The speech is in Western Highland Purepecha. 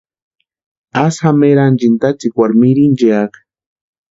Asï jama eranchini tatsikwari mirinchiaka.